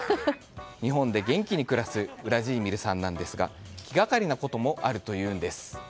日本で元気に暮らすウラジーミルさんですが気がかりなこともあるということです。